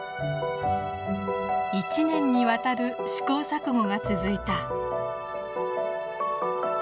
一年にわたる試行錯誤が続いた。